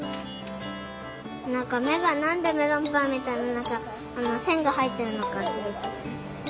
なんかめがなんでメロンパンみたいななんかせんがはいってるのかしりたい。